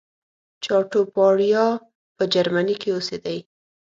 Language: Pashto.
چاټوپاړیا په جرمني کې اوسېدی.